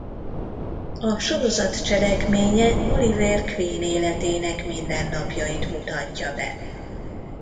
A sorozat cselekménye Oliver Queen életének mindennapjait mutatja be.